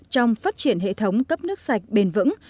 trong phát triển hệ thống cấp nước sạch bền vững